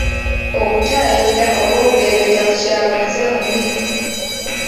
Okutaayirira oba okuleebeeta ku kyalo muze mubi.